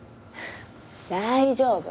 大丈夫！